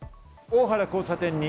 大原交差点だと。